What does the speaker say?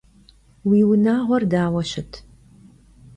Vui vunağuer daue şıt?